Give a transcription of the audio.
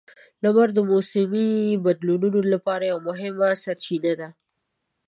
لمر د موسمي بدلونونو لپاره یوه مهمه سرچینه ده.